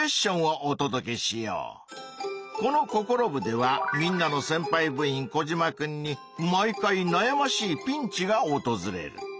この「ココロ部！」ではみんなのせんぱい部員コジマくんに毎回なやましいピンチがおとずれる。